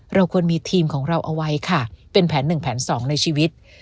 เราควรมีทีมของเราเอาไว้ค่ะเป็นแผนหนึ่งแผนสองในชีวิต